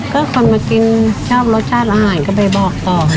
ก็คนมากินชอบรสชาติอาหารก็ไปบอกต่อ